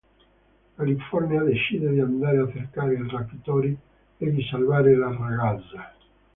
California decide di andare a cercare i rapitori e di salvare la ragazza.